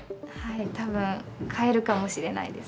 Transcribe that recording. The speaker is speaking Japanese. たぶん変えるかもしれないです。